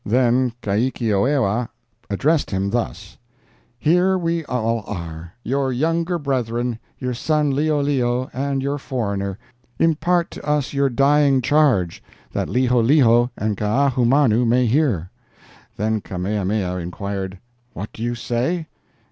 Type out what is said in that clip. Then Kaikioewa addressed him thus: 'Here we all are, your younger brethren, your son Liholiho and your foreigner; impart to us your dying charge, that Liholiho and Kaahumanu may hear.' Then Kamehameha inquired, 'What do you say?'